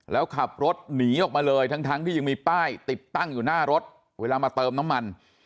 แล้วขับรถหนีออกมาเลยทั้งที่ยังมีป้ายติดตั้งอยู่หน้ารถเวลามาเติมน้ำมัน